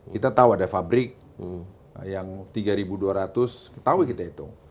kita tahu ada fabrik yang tiga dua ratus tahu kita itu